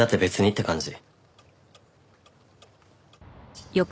って感じ。